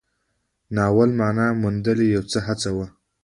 ناول د معنا موندنې یوه هڅه وه.